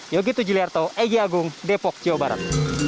yogi tujuliarto egy agung depok jawa barat